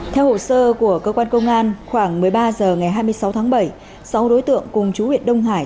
theo hồ sơ của cơ quan công an khoảng một mươi ba h ngày hai mươi sáu tháng bảy sáu đối tượng cùng chú huyện đông hải